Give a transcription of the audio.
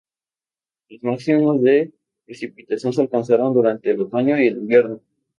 Los máximos de precipitación se alcanzan durante el otoño y el invierno.